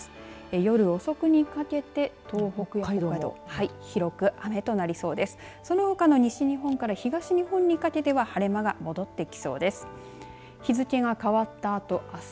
夜遅くにかけて東北や北海道広く雨となりそうです。